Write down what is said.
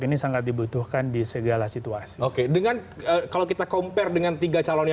ini sangat dibutuhkan di segala situasi oke dengan kalau kita compare dengan tiga calon yang